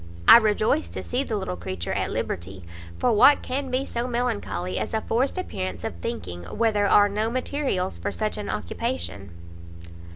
I rejoice to see the little creature at liberty, for what can be so melancholy as a forced appearance of thinking, where there are no materials for such an occupation?"